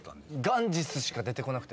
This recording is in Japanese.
「ガンジス」しか出てこなくて。